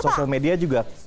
sosial media juga